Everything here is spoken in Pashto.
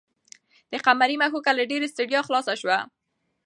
د قمرۍ مښوکه له ډېرې ستړیا خلاصه شوه.